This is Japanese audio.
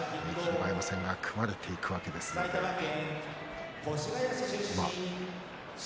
馬山戦が組まれてくるわけですからね。